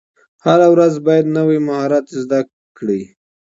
هره ورځ باید نوی مهارت زده کړئ.